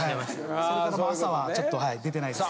それから朝はちょっと出てないです。